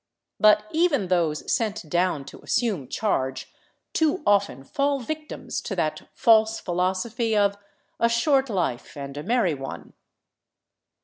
But even those sent down to assume charge too often fall victims to that false philosophy of " a short life and a merry one."